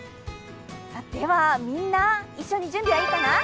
みんな、一緒に準備はいいかな？